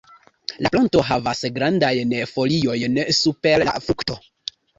La planto havas grandajn foliojn super la frukto.